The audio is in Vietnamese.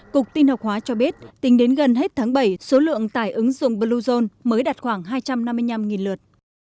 cục tin học hóa cho biết tính đến gần hết tháng bảy số lượng tải ứng dụng bluezone mới đạt khoảng hai trăm năm mươi năm lượt